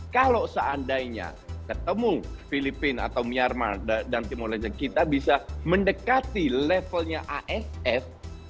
kalau seandainya ketemu filipina atau myanmar dan tim indonesia kita bisa mendekati levelnya aff